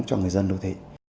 cho người dân đô thị